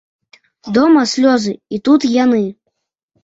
Дома слёзы, і тут яны.